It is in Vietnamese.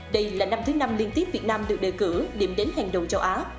đây là năm thứ năm liên tiếp việt nam được đề cử điểm đến hàng đầu châu á